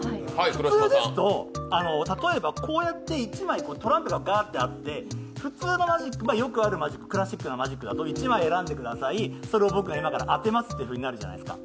普通ですと、例えば１枚トランプがガーッとあって、普通のマジック、よくあるプラスチックのマジックだと１枚選んでください、それを僕が今から当てますってなるじゃないですか。